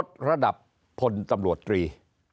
ทีนี้ครับยศระดับพลตำรวจตรี